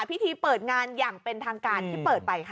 พิธีเปิดงานอย่างเป็นทางการที่เปิดไปค่ะ